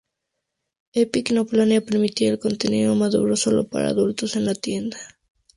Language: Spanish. Epic no planea permitir el contenido maduro solo para adultos en la tienda.